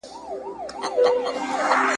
د يوې نوي ښکلي پلټنه پيل وه